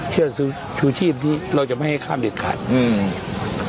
เชื่อซื้อชูชีพนี้เราจะไม่ให้ข้ามเด็ดขาดอืม